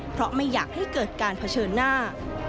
เพราะไม่อยากให้เกิดการเผชิญหน้า